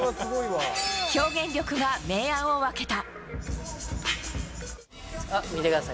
表現力が明暗を分けた。